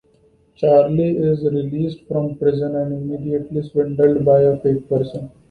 Charlie is released from prison and immediately swindled by a fake parson.